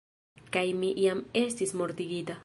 Kaj mi jam estis mortigita.